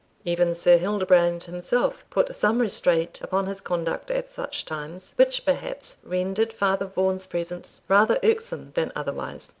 Even Sir Hildebrand himself put some restraint upon his conduct at such times, which, perhaps, rendered Father Vaughan's presence rather irksome than otherwise.